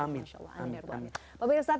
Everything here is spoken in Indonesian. amin ya rabbal'alamin